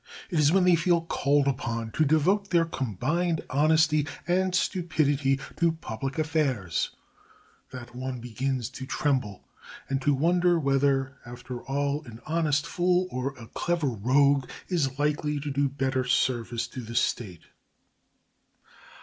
It is when they feel called upon to devote their combined honesty and stupidity to public affairs that one begins to tremble and to wonder whether, after all, an honest fool or a clever rogue is likely to do better service to the State.